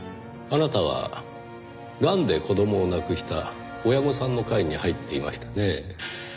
あなたはがんで子供を亡くした親御さんの会に入っていましたねぇ。